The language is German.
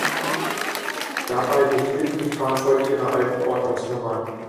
Dabei behielten die Fahrzeuge ihre alten Ordnungsnummern.